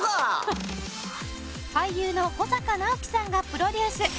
俳優の保阪尚希さんがプロデュース。